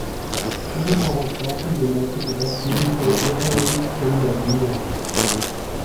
Gummiparagraphen sind dazu gedacht, jeden verurteilen zu können, der einen nervt.